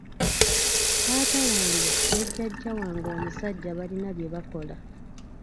Taata wange ne jjajja wange omusajja balina bye bakola.